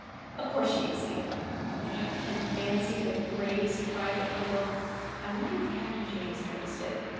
Of course she acceded; but I can fancy the grave surprise of her look. I wonder if Captain James noticed it.